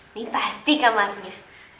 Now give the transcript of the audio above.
ini pasti kamarnya